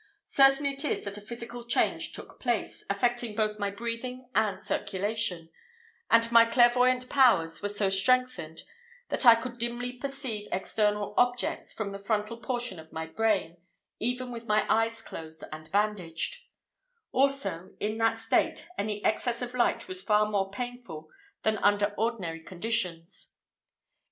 Certain it is that a physical change took place, affecting both my breathing and circulation, and my clairvoyant powers were so strengthened that I could dimly perceive external objects from the frontal portion of my brain, even with my eyes closed and bandaged; also, in that state, any excess of light was far more painful than under ordinary conditions.